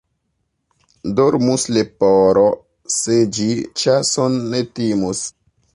Dormus leporo, se ĝi ĉason ne timus.